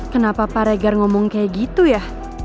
kenapa pak regar ngomong kayak gitu ya